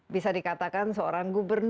bisa dikatakan seorang gubernur